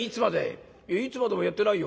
「いつまでもやってないよ。